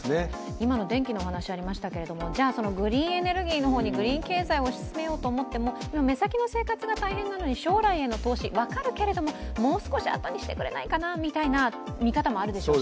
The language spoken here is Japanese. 今の電気の話ありましたけど、じゃあグリーンエネルギーの方にグリーン経済を推し進めようと思っても、目先の生活が大変なのに将来への投資、分かるけれども、もう少しあとにしてくれないかなという見方もあるでしょうし。